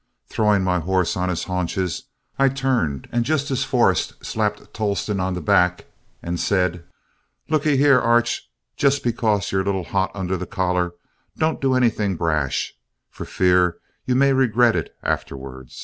Throwing my horse on his haunches, I turned just as Forrest slapped Tolleston on the back, and said: "Look ee here, Arch; just because you're a little hot under the collar, don't do anything brash, for fear you may regret it afterward.